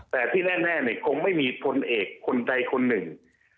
แต่ที่แน่คงไม่มีพลเอกคนใดคนหนึ่ง